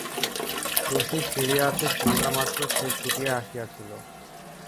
শশী ফিরিয়াছে শুনিবামাত্র সে ছুটিয়া আসিয়াছিল।